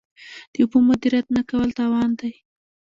د اوبو مدیریت نه کول تاوان دی.